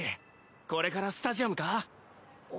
これからスタジアムか？